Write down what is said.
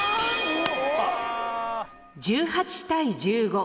１８対１５。